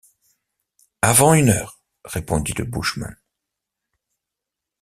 Avant une heure! répondit le bushman.